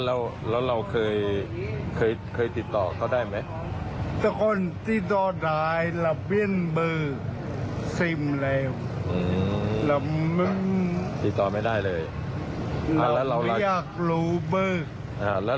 เราไม่อยากรู้เบอร์